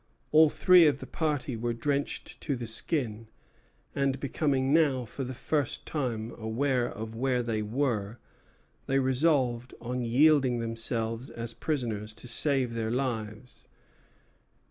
All three of the party were drenched to the skin; and, becoming now for the first time aware of where they were, they resolved on yielding themselves prisoners to save their lives.